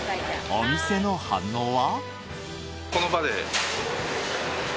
お店の反応は。